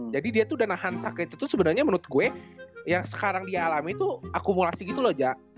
jadi dia tuh udah nahan sakit itu sebenernya menurut gue yang sekarang dia alami tuh akumulasi gitu loh jack